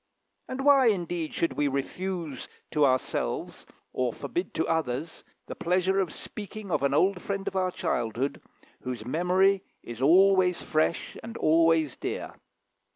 And why, indeed, should we refuse to ourselves, or forbid to others, the pleasure of speaking of an old friend of our childhood, whose memory is always fresh and always dear?